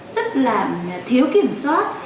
rất là thiếu kiểm soát